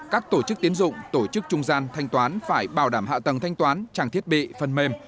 các tổ chức tiến dụng tổ chức trung gian thanh toán phải bảo đảm hạ tầng thanh toán trang thiết bị phần mềm